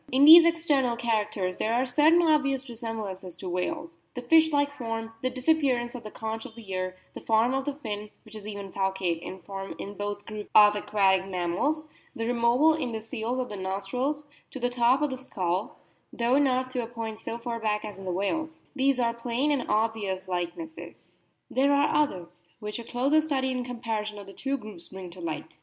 In these external characters there are certain obvious resemblances to whales the fish like form, the disappearance of the conch of the ear, the form of the fin, which is even falcate in form in both groups of aquatic mammals ; the removal (in the seals) of the nostrils to the top of the skull, though not to a point so far back as in the whales ; these are WHALES AND SEALS 87 plain and obvious likenesses. There are others, which a closer study and comparison of the two groups bring to light.